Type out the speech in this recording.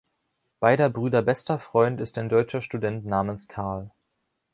Beider Brüder bester Freund ist ein deutscher Student namens Karl.